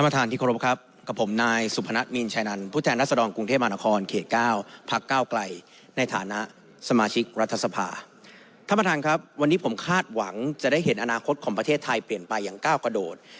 ท่านประธานครับวันนี้ผมคาดหวังจะได้เห็นอนาคตของประเทศไทยเปลี่ยนไปอย่างก้าวกระโดด